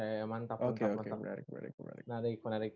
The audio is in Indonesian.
ya ya ya mantap mantap mantap